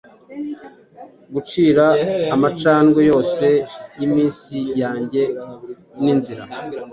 Gucira amacandwe yose yiminsi yanjye ninzira?